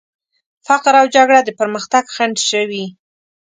فقر او جګړه د پرمختګ خنډ شوي.